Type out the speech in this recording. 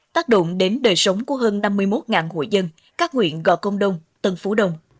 tác động đến đời sống của hơn năm mươi một hội dân các nguyện gò công đông tân phú đông